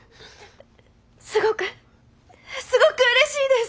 すごくすごくうれしいです！